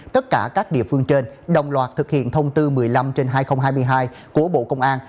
tất cả các địa phương trên đồng loạt thực hiện thông tư một mươi năm trên hai nghìn hai mươi hai của bộ công an